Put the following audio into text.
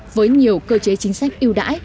với nhiều cơ chế chính sách ưu đãi